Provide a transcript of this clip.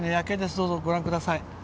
どうぞ、ご覧ください。